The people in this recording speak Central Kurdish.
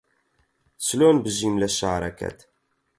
چلۆن بژیم لە شارەکەت